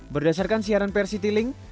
berdasarkan siaran pr citylink